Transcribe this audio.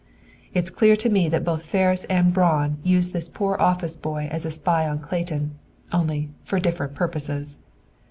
"It's clear to me that both Ferris and Braun used this poor office boy as a spy on Clayton; only, for different purposes.